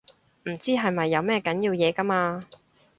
唔知係咪有咩緊要嘢㗎嘛